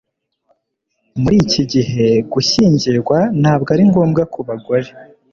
Muri iki gihe gushyingirwa ntabwo ari ngombwa ku bagore